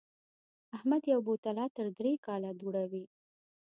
احمد یو بوتل عطر درې کاله دوړوي.